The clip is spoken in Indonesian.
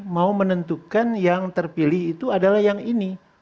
mau menentukan yang terpilih itu adalah yang ini